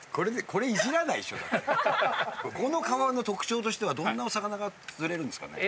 この川の特徴としてはどんなお魚が釣れるんですかね。